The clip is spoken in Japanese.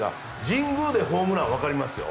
神宮でホームランはわかりますよ。